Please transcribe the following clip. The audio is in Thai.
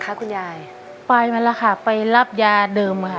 คุณยายแดงคะทำไมต้องซื้อลำโพงและเครื่องเสียง